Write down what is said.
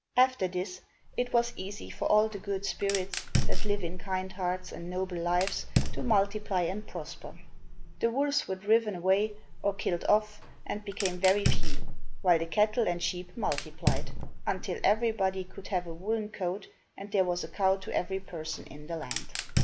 After this, it was easy for all the good spirits, that live in kind hearts and noble lives, to multiply and prosper. The wolves were driven away or killed off and became very few, while the cattle and sheep multiplied, until everybody could have a woollen coat, and there was a cow to every person in the land.